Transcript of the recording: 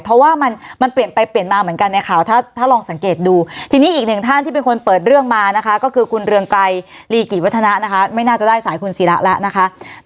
เพราะว่ามันเปลี่ยนไปเปลี่ยนมาเหมือนกันในข่าวถ้าลองสังเกตดูทีนี้อีกหนึ่งท่านที่เป็นคนเปิดเรื่องมานะคะก็คือคุณเรืองไกรลีกิจวัฒนะนะคะไม่น่าจะได้สายคุณศิระแล้วนะคะ